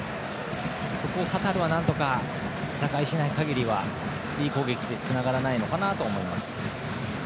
そこをカタールは打開しない限りはいい攻撃にはつながらないのかなと思います。